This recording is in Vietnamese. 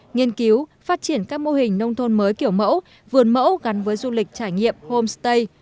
nghiên cứu phát triển các mô hình nông thôn mới kiểu mẫu vườn mẫu gắn với du lịch trải nghiệm homestay